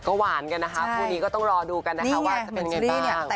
กลับไปคิมต้องแต่งหน้าไว้เลยนะ